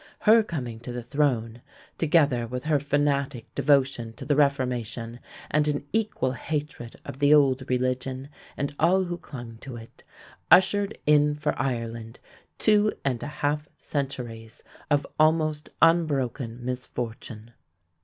Her coming to the throne, together with her fanatic devotion to the Reformation and an equal hatred of the old religion and all who clung to it, ushered in for Ireland two and a half centuries of almost unbroken misfortune.